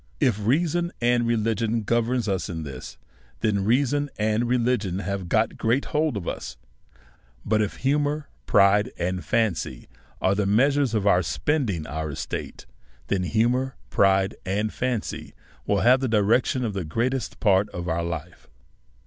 If reason and religion govern us in this, then reason and religion have got great hold of us ; but if humour, pride, and fancy are the measures of our spending our estates, then humour, pride, and fancy will have the direction of the greatest part of our life.